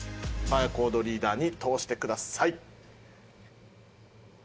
バーコードリーダーに通してください。